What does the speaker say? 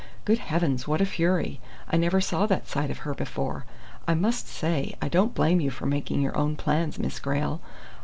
Good heavens, what a fury! I never saw that side of her before! I must say, I don't blame you for making your own plans, Miss Grayle.